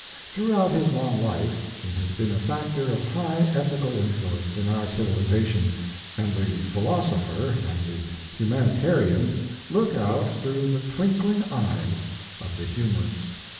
Throughout his long life, he has been a factor of high ethical influence in our civilization, and the philosopher and the humanitarian look out through the twinkling eyes of the humorist.